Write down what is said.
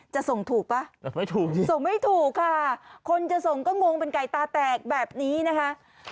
จะส่งถูกป่ะไม่ถูกสิส่งไม่ถูกค่ะคนจะส่งก็งงเป็นไก่ตาแตกแบบนี้นะคะ